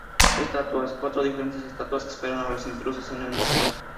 Estatuas: Cuatro diferentes estatuas que esperan a los intrusos en el Museo.